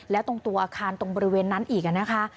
และตรงตัวอาคารตรงบริเวณนั้นอีกนะคะ